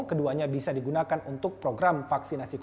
keduanya bisa digunakan untuk menurunkan resiko tertular